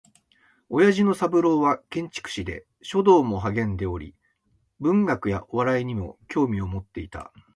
父親の三郎は建築士で、書道も嗜んでおり文学やお笑いにも興味を持っていた